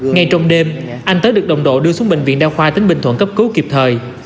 ngay trong đêm anh tấn được đồng độ đưa xuống bệnh viện đa khoa tính bình thuận cấp cứu kịp thời